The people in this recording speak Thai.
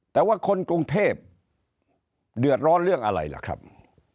แต่ว่าคนกรุงเทพเดือดร้อนเรื่องอะไรล่ะครับ